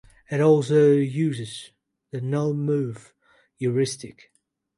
It also uses the null-move heuristic.